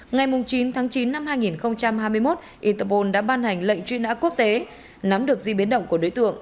ngày chín tháng chín năm hai nghìn hai mươi một interpol đã ban hành lệnh truy nã quốc tế nắm được di biến động của đối tượng